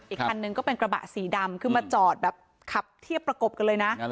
อีกคันนึงก็เป็นกระบะสีดำคือมาจอดแบบขับเทียบประกบกันเลยนะ